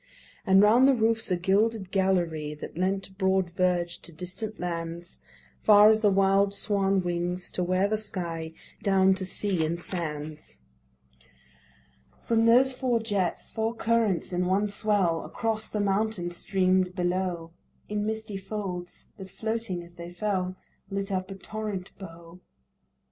And round the roofs a gilded gallery That lent broad verge to distant lands, Far as the wild swan wings, to where the sky Dipt down to sea and sands. From those four jets four currents in one swell Across the mountain stream'd below In misty folds, that floating as they fell Lit up a torrent bow.